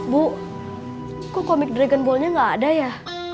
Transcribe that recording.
bu kok komik dragon ballnya gak ada ya